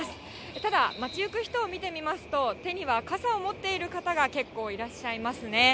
ただ街行く人を見てみますと、手には傘を持っている方が結構いらっしゃいますね。